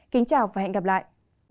kính chào và hẹn gặp lại